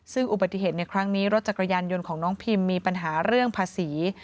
ซึ่งอุบัติเหตุในครั้งนี้รถจักรยานยนต์ของน้องพิมมีปัญหาเรื่องภาษี